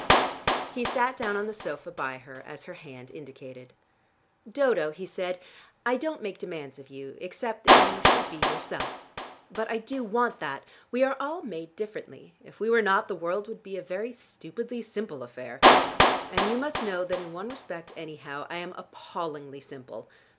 He sat down on the sofa by her, as her hand indicated. "Dodo," he said, "I don't make demands of you, except that you should be yourself. But I do want that. We are all made differently: if we were not the world would be a very stupidly simple affair. And you must know that in one respect anyhow I am appallingly simple.